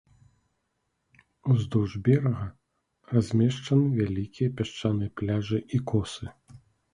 Уздоўж берага размешчаны вялікія пясчаныя пляжы і косы.